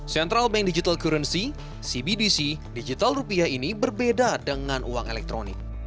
central bank digital currency cbdc digital rupiah ini berbeda dengan uang elektronik